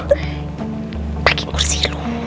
pagi kursi lu